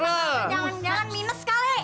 jangan jangan minus kali